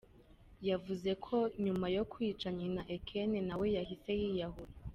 Yakomeje avuga ko nyuma yo kwica nyina Ekene na we yahise yiyahura.